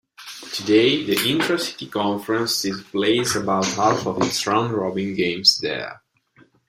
Today, the intra-city conference still plays about half of its round-robin games there.